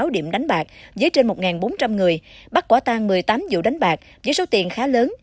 ba trăm ba mươi sáu điểm đánh bạc dưới trên một bốn trăm linh người bắt quả tang một mươi tám vụ đánh bạc với số tiền khá lớn